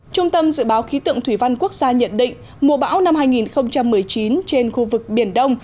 trung tâm dự báo khí tượng thủy văn quốc gia nhận định mùa bão năm hai nghìn một mươi chín trên khu vực biển đông